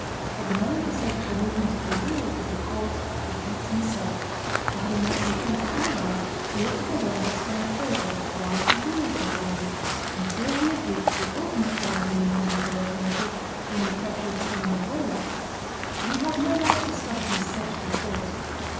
But the man who says that the movement of the wheels is the cause refutes himself, for having once begun to analyze he ought to go on and explain further why the wheels go round; and till he has reached the ultimate cause of the movement of the locomotive in the pressure of steam in the boiler, he has no right to stop in his search for the cause.